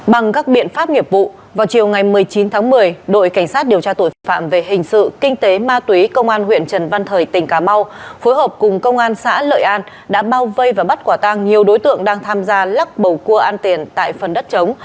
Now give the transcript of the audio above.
bằng các biện pháp nghiệp vụ vào chiều ngày một mươi chín tháng một mươi đội cảnh sát điều tra tội phạm về hình sự kinh tế ma túy công an huyện trần văn thời tỉnh cà mau phối hợp cùng công an xã lợi an đã bao vây và bắt quả tang nhiều đối tượng đang tham gia lắc bầu cua ăn tiền tại phần đất chống